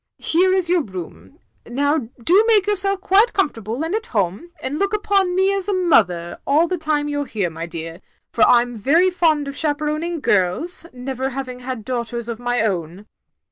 Here is your room. Now do make yourself quite comfortable and at home, and look upon me as a mother all the time you 're here, my dear, for I 'm very fond of chaperoning girls, never having had daughters of my own."